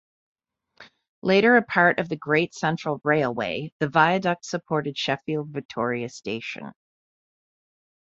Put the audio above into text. Later a part of the Great Central Railway, the viaduct supported Sheffield Victoria Station.